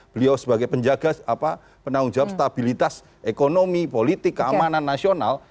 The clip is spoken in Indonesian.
beliau sebagai penjaga penanggung jawab stabilitas ekonomi politik keamanan nasional